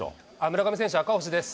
村上選手、赤星です。